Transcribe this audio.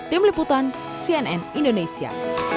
tim liputan cnn indonesia